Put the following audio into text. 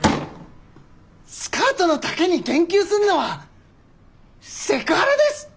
スカートの丈に言及するのはセクハラです！